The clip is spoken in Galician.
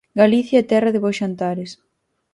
Galicia é terra de bos xantares.